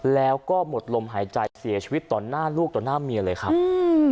แล้วก็หมดลมหายใจเสียชีวิตต่อหน้าลูกต่อหน้าเมียเลยครับอืม